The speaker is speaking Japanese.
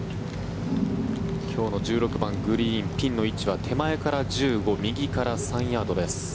今日の１６番、グリーン今日の位置は手前から１５右から３ヤードです。